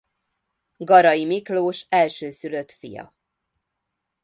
Garai Miklós elsőszülött fia.